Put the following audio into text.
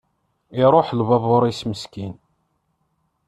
Iruḥ lbabur-is meskin.